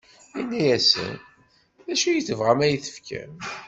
Inna-asen: D acu i tebɣam ad yi-t-tefkem?